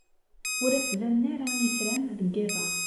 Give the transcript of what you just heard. Ur la ttbanen ara yitran deg yiḍ-a.